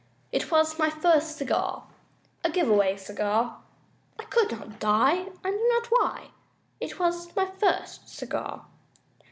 It was my first cigar! A give away cigar! I could not die I knew not why It was my first cigar!